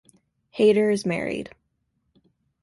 Haider is married.